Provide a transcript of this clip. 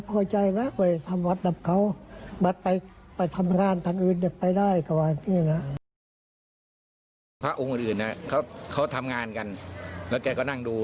พระองค์อื่นนะเขาทำงานกันแล้วแกก็นั่งดู